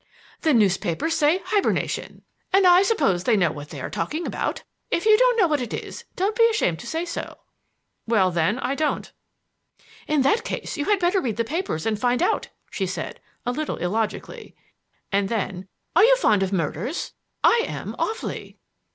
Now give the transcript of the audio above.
"The newspapers say 'hibernation,' and I suppose they know what they are talking about. If you don't know what it is, don't be ashamed to say so." "Well, then, I don't." "In that case you had better read the papers and find out," she said, a little illogically. And then: "Are you fond of murders? I am, awfully."